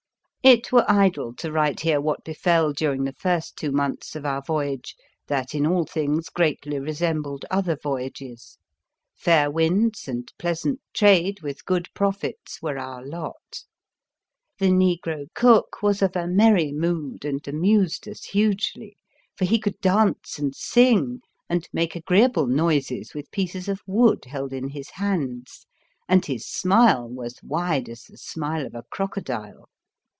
It were idle to write here what befell during the first two months of our voy age, that in all things greatly resem bled other voyages. Fair winds and pleasant trade with good profits were our lot. The Negro cook was of a merry mood and amused us hugely, for he could dance and sing and make agree able noises with pieces of wood held in his hands, and his smile was wide as the smile of a crocodile.